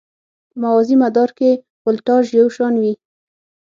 په موازي مدار کې ولتاژ یو شان وي.